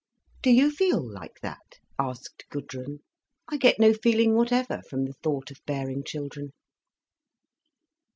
"Do you feel like that?" asked Gudrun. "I get no feeling whatever from the thought of bearing children."